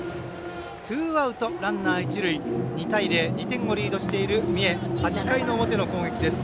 ツーアウト、ランナー、一塁２対０、２点をリードしている三重８回の表の攻撃です。